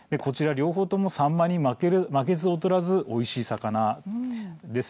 両方ともサンマに負けず劣らずおいしい魚です。